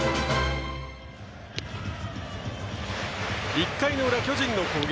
１回の裏、巨人の攻撃。